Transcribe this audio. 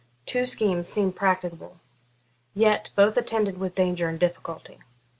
Two schemes seemed practicable, yet both attended with danger and difficulty.